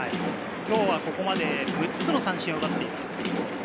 今日はここまで６つの三振を奪っています。